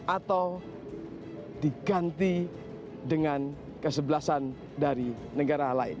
atau diganti dengan kesebelasan dari negara lain